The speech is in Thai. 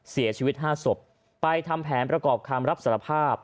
เสียชีวิต๕ศพไปทำแผนประกอบคำรับสารภาพ